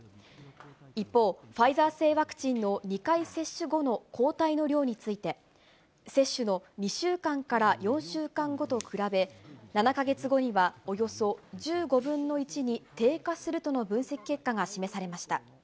一方、ファイザー製ワクチンの２回接種後の抗体の量について、接種の２週間から４週間後と比べ、７か月後にはおよそ１５分の１に低下するとの分析結果が示されました。